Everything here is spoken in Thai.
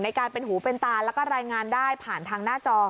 การเป็นหูเป็นตาแล้วก็รายงานได้ผ่านทางหน้าจอ